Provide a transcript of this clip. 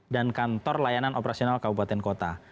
dan kantor layanan operasional kabupaten kota